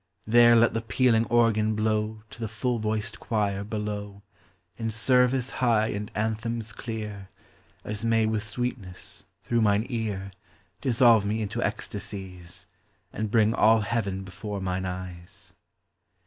There let the pealing organ blow To the full voiced quire below, In service high and anthems clear, As may with sweetness, through mine ear, Dissolve me into ecstasies, And bring all heaven before mine eyes.